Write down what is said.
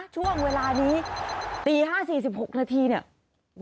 ช่วงเวลานี้ตี๕๔๖นาทีเนี่ย